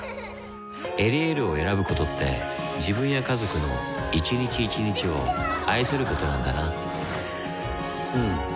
「エリエール」を選ぶことって自分や家族の一日一日を愛することなんだなうん。